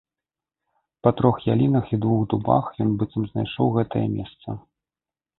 Па трох ялінах і двух дубах ён быццам знайшоў гэтае месца.